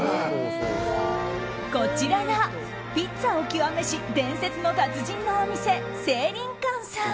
こちらがピッツァを極めし伝説の達人のお店聖林館さん。